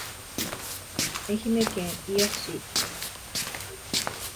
愛媛県伊予市